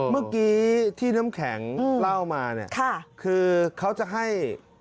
เมื่อกี้ที่น้ำแข็งเล่ามาเนี่ยคือเขาจะให้